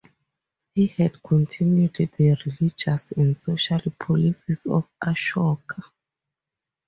He had continued the religious and social policies of Ashoka.